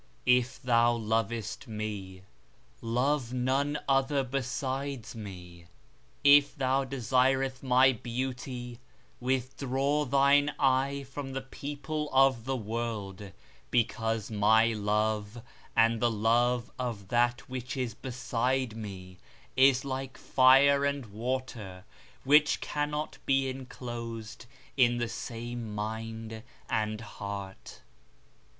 If thou lovest Me, love none other besides Me. If thou desireth My Beauty withdraw thine eye from the people of the world, because My love, and the love of that which is beside Me, is like fire and water, which cannot be enclosed in the same mind and heart.